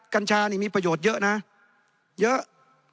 กัญชานี่มีประโยชน์เยอะนะเยอะ